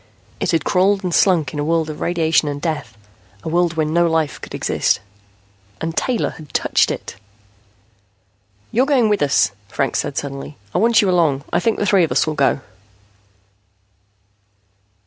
It had crawled and slunk in a world of radiation and death, a world where no life could exist. And Taylor had touched it! "You're going with us," Franks said suddenly. "I want you along. I think the three of us will go."